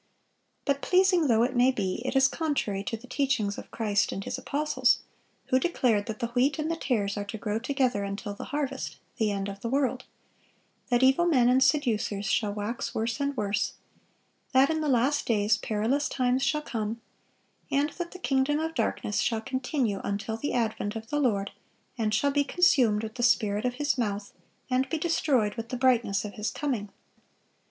But, pleasing though it may be, it is contrary to the teachings of Christ and His apostles, who declared that the wheat and the tares are to grow together until the harvest, the end of the world;(520) that "evil men and seducers shall wax worse and worse;" that "in the last days perilous times shall come;"(521) and that the kingdom of darkness shall continue until the advent of the Lord, and shall be consumed with the spirit of His mouth, and be destroyed with the brightness of His coming.